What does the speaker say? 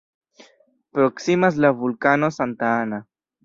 Proksimas la vulkano "Santa Ana".